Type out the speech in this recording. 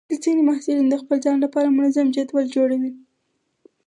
ځینې محصلین د خپل ځان لپاره منظم جدول جوړوي.